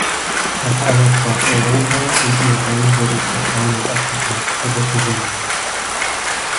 Das alles braucht Europa und nur dann wird es Vertrauen und Akzeptanz zurückgewinnen.